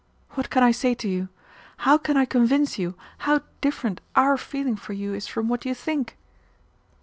What can I say to you? How can I convince you how different our feeling for you is from what you think?"